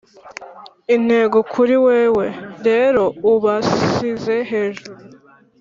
intego kuri wewe! ” rero, ubasize hejuru,